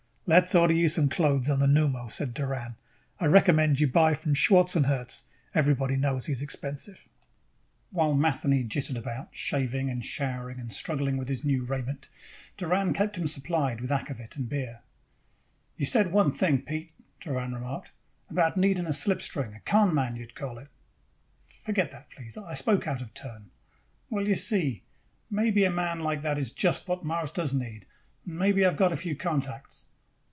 "Let's order you some clothes on the pneumo," said Doran. "I recommend you buy from Schwartzherz. Everybody knows he is expensive." While Matheny jittered about, shaving and showering and struggling with his new raiment, Doran kept him supplied with akvavit and beer. "You said one thing, Pete," Doran remarked. "About needing a slipstring. A con man, you would call it." "Forget that. Please. I spoke out of turn." "Well, you see, maybe a man like that is just what Mars does need. And maybe I have got a few contacts."